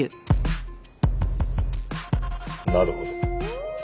なるほど。